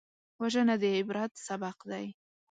وژنه د عبرت سبق دی